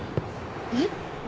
えっ？